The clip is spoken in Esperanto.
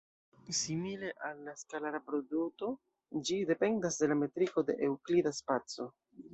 Simile al la skalara produto, ĝi dependas de la metriko de eŭklida spaco.